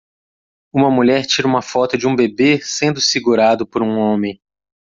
Uma mulher tira uma foto de um bebê sendo segurado por um homem.